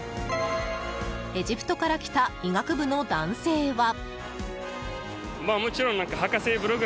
エジプトから来た医学部の男性は。